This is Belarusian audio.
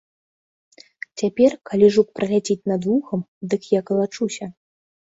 Цяпер калі жук праляціць над вухам, дык я калачуся.